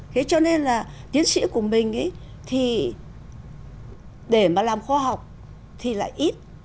thế cho nên là tiến sĩ của mình thì để mà làm khoa học thì lại ít